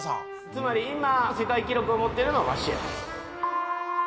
つまり今世界記録を持ってるのはワシやねん。